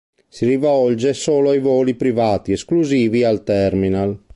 Si rivolge solo ai voli privati esclusivi al terminal.